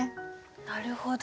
なるほど。